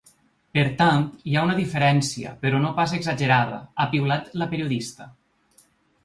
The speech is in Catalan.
Per tant, hi ha una diferència, però no pas exagerada, ha piulat la periodista.